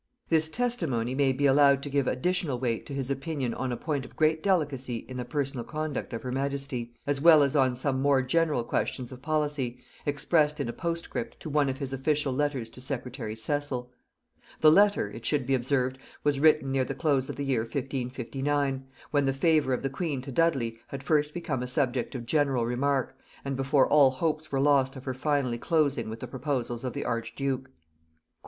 This testimony may be allowed to give additional weight to his opinion on a point of great delicacy in the personal conduct of her majesty, as well as on some more general questions of policy, expressed in a postscript to one of his official letters to secretary Cecil. The letter, it should be observed, was written near the close of the year 1559, when the favor of the queen to Dudley had first become a subject of general remark, and before all hopes were lost of her finally closing with the proposals of the archduke.